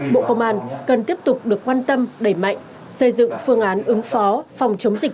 bộ công an cần tiếp tục được quan tâm đẩy mạnh xây dựng phương án ứng phó phòng chống dịch